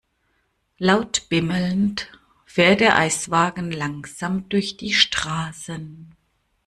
Laut bimmelnd fährt der Eiswagen langsam durch die Straßen.